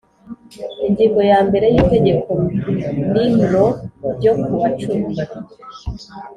Ingingo ya mbere y Itegeko nimro ryo ku wa cumi